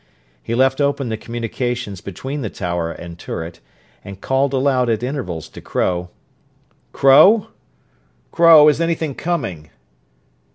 He left open the communications between the tower and turret, and called aloud at intervals to Crow, 'Crow, Crow, is any thing coming?'